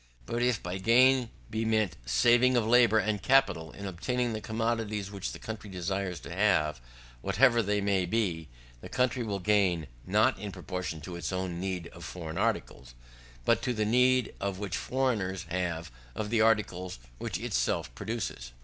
But if by gain be meant saving of labour and capital in obtaining the commodities which the country desires to have, whatever they may be; the country will gain, not in proportion to its own need of foreign articles, but to the need which foreigners have of the articles which itself produces.